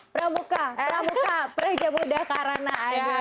pramuka pramuka preja muda karana